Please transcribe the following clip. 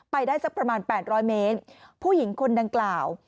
ไปได้สักประมาณ๘๐๐เมตรผู้หญิงคนดังกล่าว